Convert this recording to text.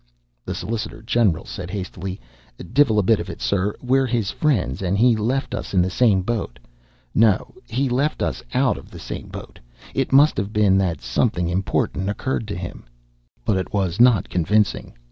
The solicitor general said hastily: "Divvil a bit of it, sir. We're his friends and he left us in the same boat no, he left us out of the same boat. It must've been that something important occurred to him " But it was not convincing.